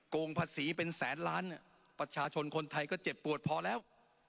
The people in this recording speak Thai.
งภาษีเป็นแสนล้านประชาชนคนไทยก็เจ็บปวดพอแล้ว